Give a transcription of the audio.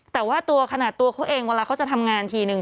แต่ว่าตัวขนาดตัวเขาเองเวลาเขาจะทำงานทีนึง